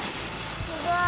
すごい。